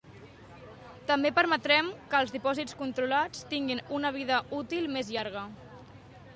També permetrem que els dipòsits controlats tinguin una vida útil més llarga.